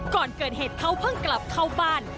ก่อนเกิดเหตุเขาเพิ่งกลับเข้าบ้าน